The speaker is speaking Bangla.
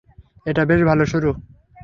এটা বেশ ভালো শুরু!